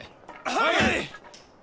はい！